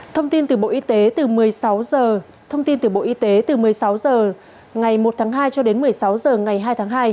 thông tin từ bộ y tế từ một mươi sáu h ngày một tháng hai cho đến một mươi sáu h ngày hai tháng hai